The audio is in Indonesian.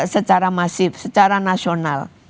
secara masif secara nasional